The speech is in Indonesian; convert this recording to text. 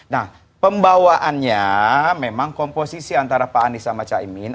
nah pembawaannya memang komposisi antara pak anies sama caimin